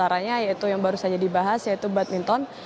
satu di antaranya yaitu yang baru saja dibahas yaitu badminton